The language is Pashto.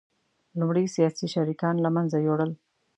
لومړی سیاسي شریکان له منځه یوړل